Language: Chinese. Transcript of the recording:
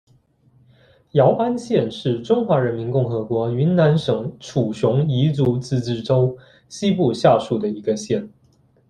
姚安县是中华人民共和国云南省楚雄彝族自治州西部下属的一个县。